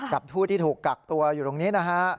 ผู้ที่ถูกกักตัวอยู่ตรงนี้นะฮะ